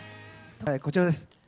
こちらです。